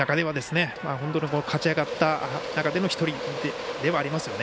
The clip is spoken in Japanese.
本当に勝ち上がった中での一人ではありますよね。